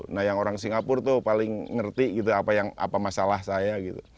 nah yang orang singapura itu paling ngerti apa masalah saya